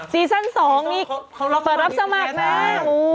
ซีซั่น๒นี่เปิดรับสมัครนะ